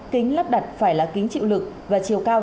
kính lắp đặt phải là kính chịu lực và chiều cao